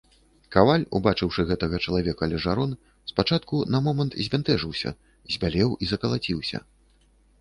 Каваль, убачыўшы гэтага чалавека ля жарон, спачатку на момант збянтэжыўся, збялеў і закалаціўся.